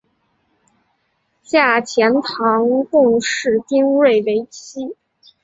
嫁钱塘贡士丁睿为妻。